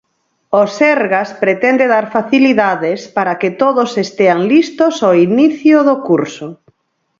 O Sergas pretende dar facilidades para que todos estean listos ao inicio do curso.